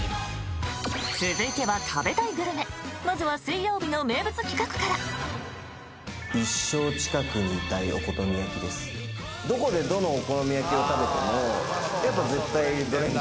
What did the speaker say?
続いては食べたいグルメまずは水曜日の名物企画からどこでどのお好み焼きを食べても。